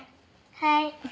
はい。